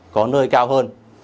có nơi cao hơn